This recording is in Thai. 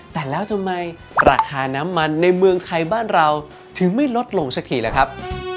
แต่แล้วทำไมราคาน้ำมันในเมืองไทยบ้านเราถึงไม่ลดลงสักทีล่ะครับ